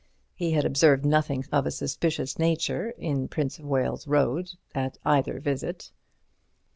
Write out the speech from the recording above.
He had observed nothing of a suspicious nature in Prince of Wales Road at either visit.